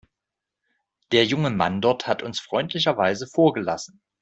Der junge Mann dort hat uns freundlicherweise vorgelassen.